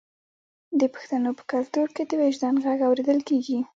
د پښتنو په کلتور کې د وجدان غږ اوریدل کیږي.